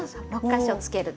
６か所。